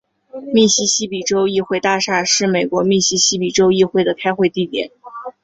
密西西比州议会大厦是美国密西西比州议会的开会地点。